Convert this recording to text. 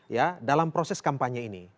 ya dalam proses kampanye ini